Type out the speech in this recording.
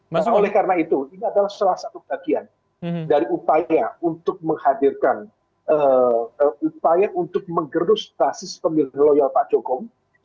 maka oleh karena itu ini adalah salah satu bagian dari upaya untuk menghadirkan upaya untuk menggerus basis pemilih loyal pak jokowi